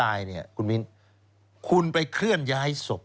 สวัสดีครับคุณผู้ชมค่ะต้อนรับเข้าที่วิทยาลัยศาสตร์